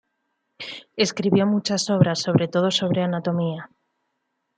Escribió muchas obras sobre todo sobre anatomía.